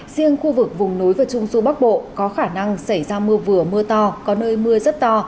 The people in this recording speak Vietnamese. riêng khu vực vùng núi và trung du bắc bộ có khả năng xảy ra mưa vừa mưa to có nơi mưa rất to